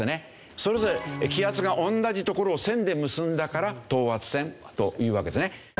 それぞれ気圧が同じ所を線で結んだから等圧線というわけですね。